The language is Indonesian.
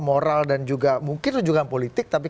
moral dan juga mungkin rujukan politik tapi